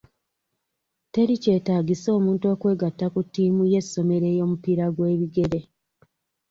Teri kyetaagisa omuntu okwegatta ku ttiimu y'essomero ey'omupiira gw'ebigere.